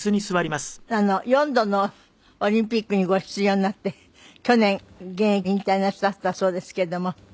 ４度のオリンピックにご出場になって去年現役引退なさったそうですけれども。